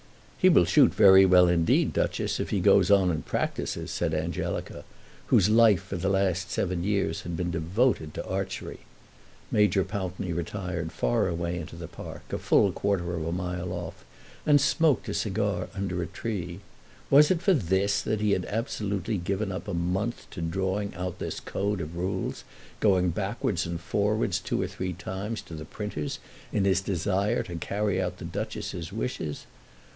"He will shoot very well indeed, Duchess, if he goes on and practises," said Angelica, whose life for the last seven years had been devoted to archery. Major Pountney retired far away into the park, a full quarter of a mile off, and smoked a cigar under a tree. Was it for this that he had absolutely given up a month to drawing out this code of rules, going backwards and forwards two or three times to the printers in his desire to carry out the Duchess's wishes?